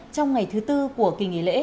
trong ngày thứ tư của kỳ nghỉ lễ